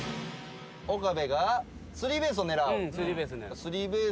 岡部が３ベースを狙う。